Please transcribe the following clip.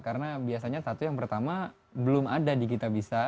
karena biasanya satu yang pertama belum ada di kitabisa